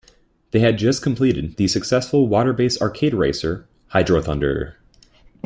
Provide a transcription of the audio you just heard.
They had just completed the successful water-based arcade racer, Hydro Thunder.